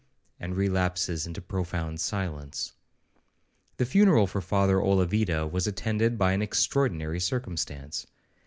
and relapses into profound silence. The funeral of Father Olavida was attended by an extraordinary circumstance.